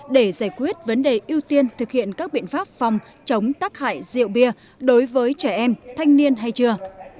để giải quyết vấn đề ưu tiên thực hiện các biện pháp phòng chống tắc hại rượu bia đối với trẻ em thanh niên hay chưa